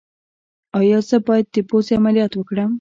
ایا زه باید د پوزې عملیات وکړم؟